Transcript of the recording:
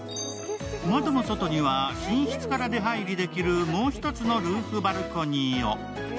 窓の外には寝室から出入りできるもう１つのルーフバルコニー。